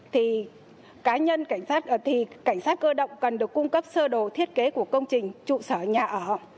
thì cảnh sát cơ động cần được cung cấp sơ đồ thiết kế của công trình trụ sở nhà ở